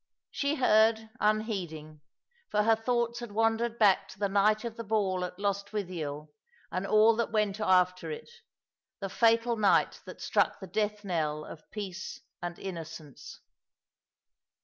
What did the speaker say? She heard, unheeding, for her thoughts had wandered back to the night of the ball at Lostwithiel and all that went after it— the fatal night that struck the ^death knell of peace and innocence.